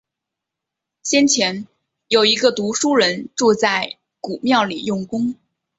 先前，有一个读书人住在古庙里用功